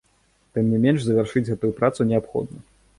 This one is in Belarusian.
Тым не менш завяршыць гэтую працу неабходна.